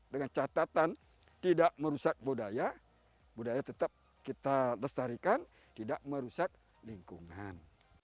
dengan catatan tidak merusak budaya budaya tetap kita lestarikan tidak merusak lingkungan